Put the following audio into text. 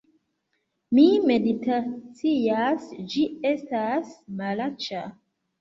Mi meditacias, ĝi estas malaĉa